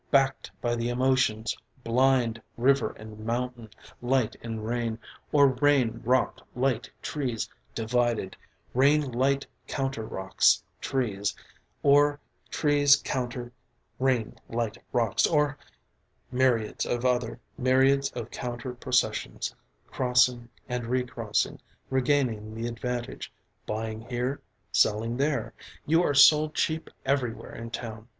backed by the emotions blind River and mountain, light and rain or rain, rock, light, trees divided: rain light counter rocks trees or trees counter rain light rocks or Myriads of counter processions crossing and recrossing, regaining the advantage, buying here, selling there You are sold cheap everywhere in town!